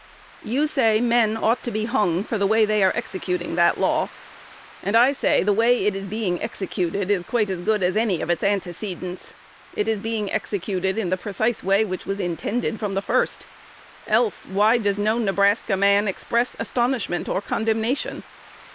You say men ought to be hung for the way they are executing that law; and I say the way it is being executed is quite as good as any of its antecedents. It is being executed in the precise way which was intended from the first; else why does no Nebraska man express astonishment or condemnation?